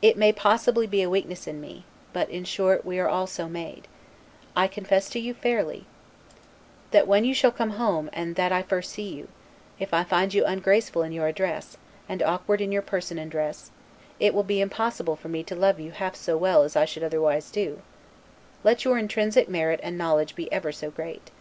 It may possibly be a weakness in me, but in short we are all so made: I confess to you fairly, that when you shall come home and that I first see you, if I find you ungraceful in your address, and awkward in your person and dress, it will be impossible for me to love you half so well as I should otherwise do, let your intrinsic merit and knowledge be ever so great.